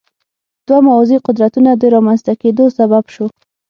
دوه موازي قدرتونو د رامنځته کېدو سبب شو.